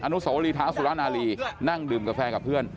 อนุสโหลีท้าวสุราณาลีนั่งดื่มกาแฟกับเพื่อน